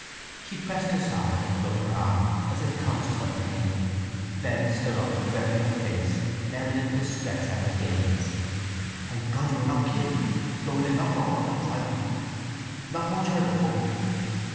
She pressed her side and rubbed her arm, as if conscious of pain; then stood up, averting her face, in evident distress at his gaze. "Thank God—you are not killed! Though it's not for want of trying—not much hurt I hope?"